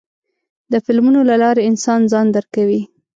د فلمونو له لارې انسان ځان درکوي.